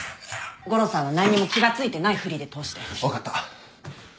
悟郎さんは何にも気が付いてないふりで通して分かった